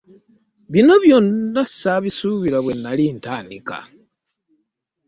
Bino byonna ssaabisuubira bwe nnali ntandika.